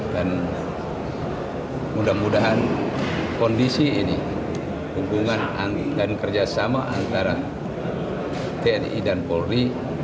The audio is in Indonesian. dan mudah mudahan kondisi ini hubungan dan kerjasama antara tni dan polri